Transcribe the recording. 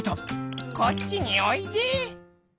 「こっちにおいで」。